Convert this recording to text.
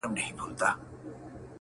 نن دي سترګي سمي دمي ميکدې دی-